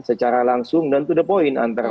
secara langsung dan to the point antara